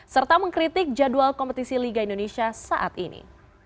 serta mengkritik jadwal kompetisi liga indonesia saat ini